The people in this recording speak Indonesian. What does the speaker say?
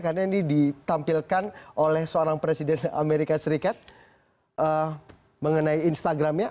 karena ini ditampilkan oleh seorang presiden amerika serikat mengenai instagramnya